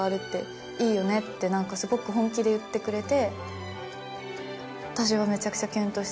すごく本気で言ってくれて。